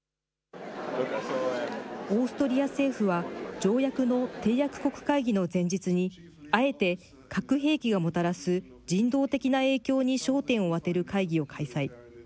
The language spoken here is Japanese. オーストリア政府は、条約の締約国会議の前日に、あえて核兵器がもたらす人道的な影響に焦点を当てる会議を開催。